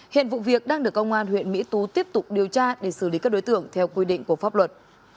hiện vụ việc đang được công an huyện mỹ tú tiếp tục điều tra để xử lý các đối tượng theo quy định của pháp luật